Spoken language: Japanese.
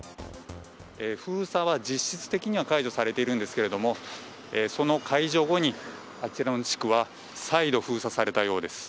封鎖は、実質的には解除されているんですけれどもその解除後に、あちらの地区は再度封鎖されたようです。